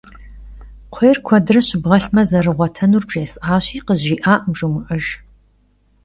Kxhuêy kuedre şıbğelhme zerığuetenur bjjês'aşi khızjji'akhım jjomı'ejj.